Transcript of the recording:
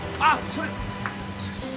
それすいません